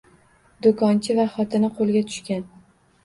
Do‘konchi va xotini qo‘lga tushgan.